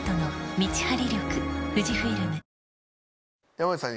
山内さん